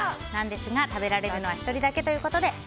ですが、食べられるのは１人だけということで。